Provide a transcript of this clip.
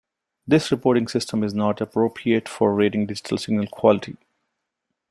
This reporting system is not appropriate for rating digital signal quality.